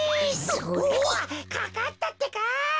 おわっかかったってか。